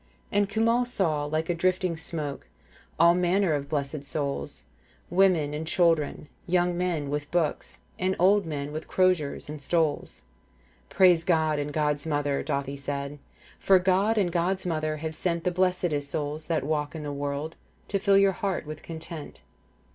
45 And Cumhal saw like a drifting smoke All manner of blessed souls, Women and children, young men with books. And old men with croziers and stoles. 'Praise God and God's mother,' Dathi said, * For God and God's mother have sent ' The blessedest souls that walk in the world * To fill your heart with content.